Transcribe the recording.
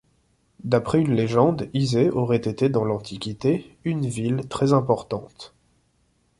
D'après une légende Izé aurait été dans l'Antiquité une ville très importante.